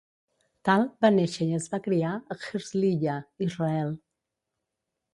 Tal va néixer i es va criar a Herzliya, Israel.